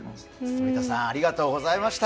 反田さん、ありがとうございました。